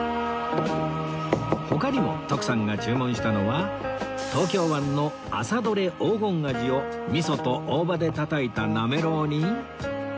他にも徳さんが注文したのは東京湾の朝どれ黄金アジをみそと大葉でたたいたなめろうに